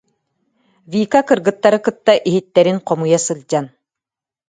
Вика кыргыттары кытта иһиттэрин хомуйса сылдьан: